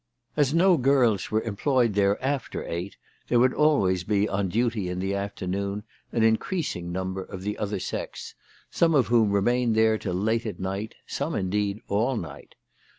As no girls were employed there after eight there would always be on duty in the afternoon an increasing number of the other THE TELEGRAPH GIRL. 273 sex, some of whom remained there till late at night, some indeed all night.